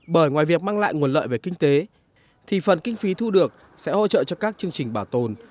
bởi ngoài việc mang lại nguồn lợi về kinh tế thì phần kinh phí thu được sẽ hỗ trợ cho các chương trình bảo tồn